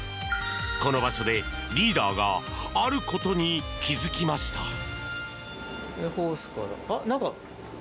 この場所でリーダーがあることに気付きました。